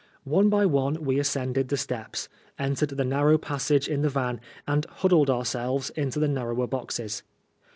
One by one we ascended the steps, entered the narrow passage in the van, and huddled ourselves into the narrower boxes.